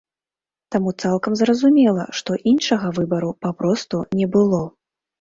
Таму цалкам зразумела, што іншага выбару папросту не было.